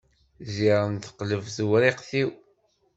Ziɣen teqleb tewriqt-iw.